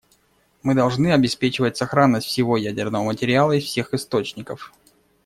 Мы должны обеспечивать сохранность всего ядерного материала из всех источников.